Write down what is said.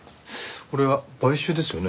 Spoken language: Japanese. これは買収ですよね？